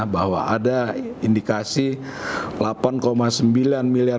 bahwa ada indikasi delapan sembilan miliar